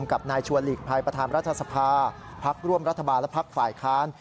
กับนายชวนหลีกภัยประธานรัฐสภาพักร่วมรัฐบาลและพักฝ่ายค้าน